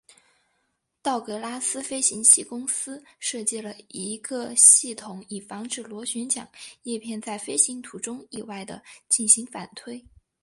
道格拉斯飞行器公司设计了一个系统以防止螺旋桨叶片在飞行途中意外地进行反推。